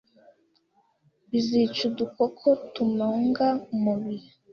Bizica udukoko tumunga umubiri n